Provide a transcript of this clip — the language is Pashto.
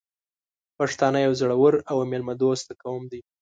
پښتانه یو زړور او میلمه دوست قوم دی .